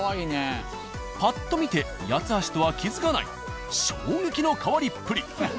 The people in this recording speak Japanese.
パッと見て八ッ橋とは気付かない衝撃の変わりっぷり。